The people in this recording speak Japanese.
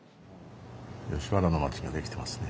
吉原の町ができてますね。